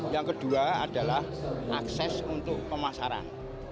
yang kedua adalah akses untuk pemasaran